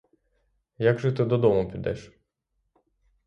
Як же ти додому підеш?